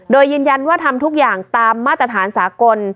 โดยยืนยันว่าทำทุกอย่างตามมาตรฐานสากล